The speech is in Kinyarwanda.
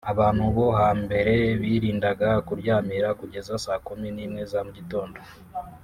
Abantu bo hambere birindaga kuryamira kugeza saa kumi n’imwe za mu gitondo